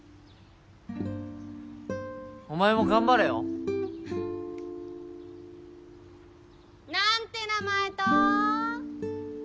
お前も頑張れよ何て名前と？